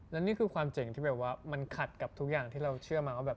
และนี่คือความเจ๋งว่ามันขัดกับทุกอย่างที่เราเชื่อมา